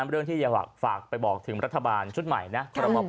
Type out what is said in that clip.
เรื่องที่ยังฝากไปบอกถึงรัฐบาลชุดใหม่นะ